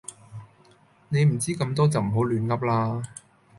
你唔知咁多就唔好亂嗡啦